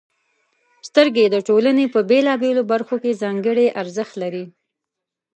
• سترګې د ټولنې په بېلابېلو برخو کې ځانګړې ارزښت لري.